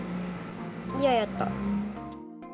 嫌やった。